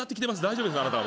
大丈夫です